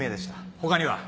他には？